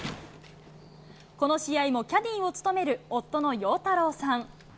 この試合もキャディーを務める、夫の陽太郎さん。